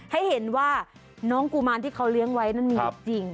ให้เห็นว่าน้องกุมารที่เขาเลี้ยงไว้นั้นมีอยู่จริง